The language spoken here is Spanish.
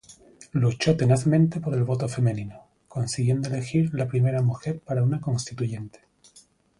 Luchó tenazmente por el voto femenino, consiguiendo elegir la primera mujer para una Constituyente.